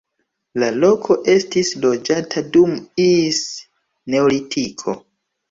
La loko estis loĝata dum ls neolitiko.